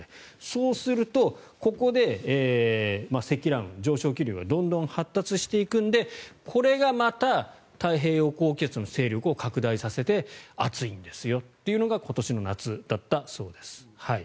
そうすると、ここで積乱雲、上昇気流がどんどん発達していくのでこれがまた太平洋高気圧の勢力を拡大させて暑いんですよというのが今年の夏だったそうです。